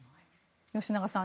吉永さん